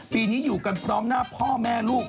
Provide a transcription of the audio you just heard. ปีนี้อยู่กันพร้อมหน้าพ่อแม่ลูก